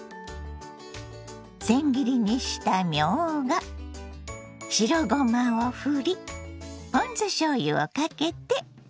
せん切りにしたみょうが白ごまをふりポン酢しょうゆをかけて出来上がりよ。